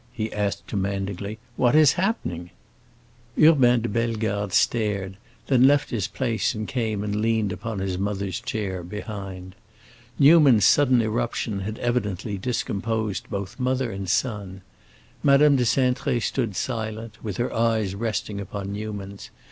he asked commandingly; "what is happening?" Urbain de Bellegarde stared, then left his place and came and leaned upon his mother's chair, behind. Newman's sudden irruption had evidently discomposed both mother and son. Madame de Cintré stood silent, with her eyes resting upon Newman's.